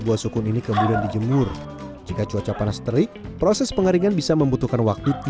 buah sukun ini kemudian dijemur jika cuaca panas terik proses pengaringan bisa membutuhkan waktu